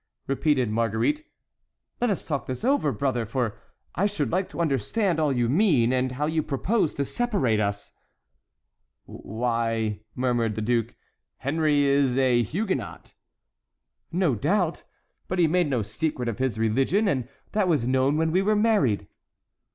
repeated Marguerite; "let us talk this over, brother, for I should like to understand all you mean, and how you propose to separate us." "Why," murmured the duke, "Henry is a Huguenot." "No doubt; but he made no secret of his religion, and that was known when we were married."